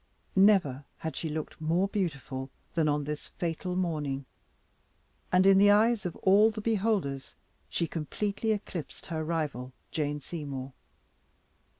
Never had she looked more beautiful than on this fatal morning, and in the eyes of all the beholders she completely eclipsed her rival, Jane Seymour.